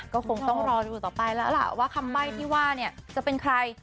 ก็คงต้องรอดูต่อไปแล้วล่ะว่าคำใบ้ที่ว่าเนี่ยจะเป็นใคร